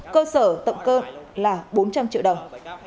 cơ sở tổng cơ là bốn trăm linh triệu đồng